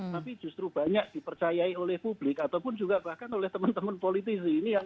tapi justru banyak dipercayai oleh publik ataupun juga bahkan oleh teman teman politisi